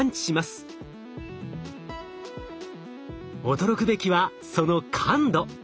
驚くべきはその感度。